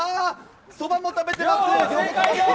そばも食べてます。